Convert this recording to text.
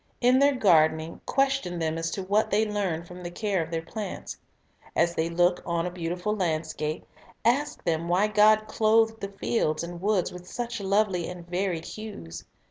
In their gardening, question them as to what they learn from the care of their plants. As they look on a beautiful landscape, ask them why God clothed the fields and woods with such lovely and varied hues.